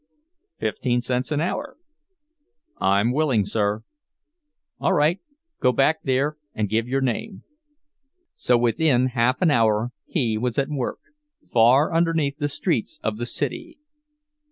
"Fifteen cents an hour." "I'm willing, sir." "All right; go back there and give your name." So within half an hour he was at work, far underneath the streets of the city.